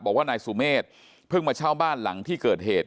บอกว่านายสุเมฆเพิ่งมาเช่าบ้านหลังที่เกิดเหตุ